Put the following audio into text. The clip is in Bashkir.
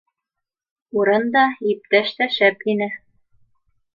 Урын да, иптәш тә шәп ине.